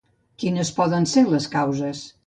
Quines poden ser les causes?